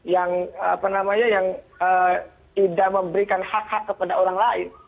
yang apa namanya yang tidak memberikan hak hak kepada orang lain